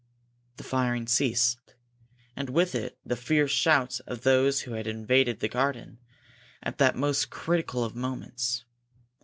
The firing ceased, and with it the fierce shouts of those who had invaded the garden at that most critical of moments.